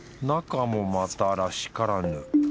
中もまたらしからぬ。